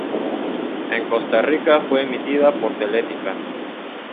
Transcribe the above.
En Costa Rica fue emitida por Teletica.